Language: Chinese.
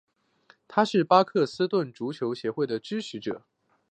他是巴克斯顿足球会的支持者。